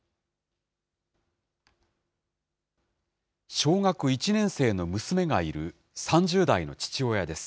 小学１年生の娘がいる３０代の父親です。